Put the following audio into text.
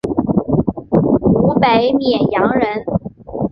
湖北沔阳人。